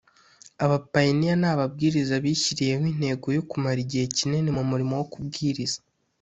Abapayiniya ni ababwiriza bishyiriyeho intego yo kumara igihe kinini mu murimo wo kubwiriza